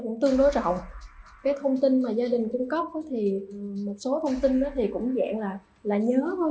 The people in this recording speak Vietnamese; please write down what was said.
cũng tương đối rộng cái thông tin mà gia đình cung cấp thì một số thông tin thì cũng dạng là nhớ thôi